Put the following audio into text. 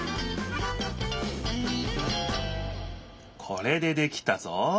これでできたぞ。